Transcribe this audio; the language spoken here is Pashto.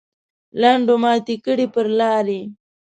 لنډو ماتې کړې پر لارې.